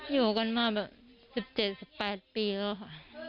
อยู่กันมาแบบ๑๗๑๘ปีแล้วค่ะ